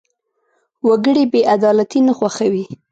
وګړي بېعدالتي نه خوښوي.